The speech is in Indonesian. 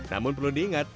namun perlu diingat